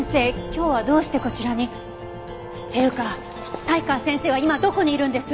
今日はどうしてこちらに？っていうか才川先生は今どこにいるんです？